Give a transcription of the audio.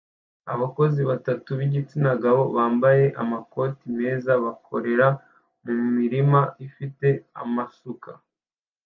Abakozi batatu b'igitsina gabo bambaye amakoti meza bakorera mu murima ufite amasuka